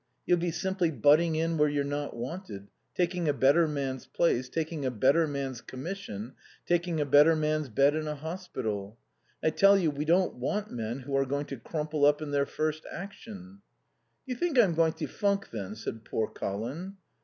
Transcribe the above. You'll be simply butting in where you're not wanted, taking a better man's place, taking a better man's commission, taking a better man's bed in a hospital. I tell you we don't want men who are going to crumple up in their first action." "Do you think I'm going to funk then?" said poor Colin.